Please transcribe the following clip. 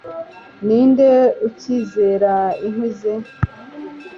Ninde ukizera inkwi ze